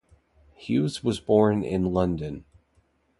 Hughes was born in London.